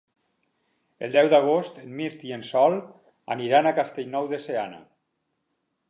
El deu d'agost en Mirt i en Sol aniran a Castellnou de Seana.